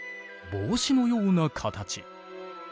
帽子のような形。